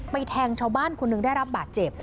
แทงชาวบ้านคนหนึ่งได้รับบาดเจ็บ